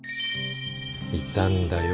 いたんだよ